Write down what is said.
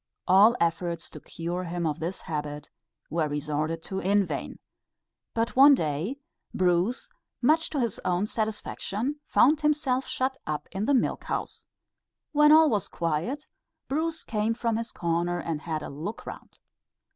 All efforts to cure him of this habit were resorted to in vain. But one day, Bruce, much to his own satisfaction found himself shut up in the milk house. When all was quiet, Bruce came from his corner and had a look round.